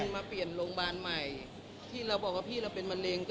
มาเปลี่ยนโรงพยาบาลใหม่ที่เราบอกว่าพี่เราเป็นมะเร็ง